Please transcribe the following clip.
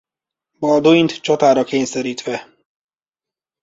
Balduint csatára kényszerítve.